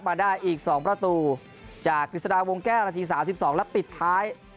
มาได้อีกสองประตูจากสาวงแก้นละทีสามสิบสองแล้วปิดท้าย